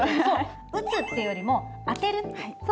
打つっていうよりも当てるっていう。